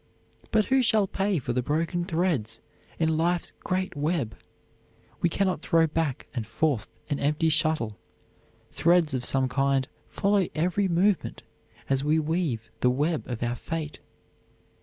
But who shall pay for the broken threads in life's great web? We cannot throw back and forth an empty shuttle; threads of some kind follow every movement as we weave the web of our fate.